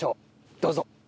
どうぞ。